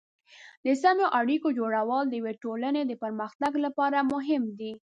د سمو اړیکو جوړول د یوې ټولنې د پرمختګ لپاره مهم دي.